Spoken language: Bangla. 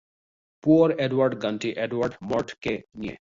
"পুওর এডওয়ার্ড" গানটি এডওয়ার্ড মর্ডকেকে নিয়ে।